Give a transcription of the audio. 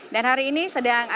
dan hari ini sedang ada kegiatan